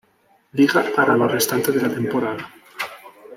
Liga para lo restante de la temporada.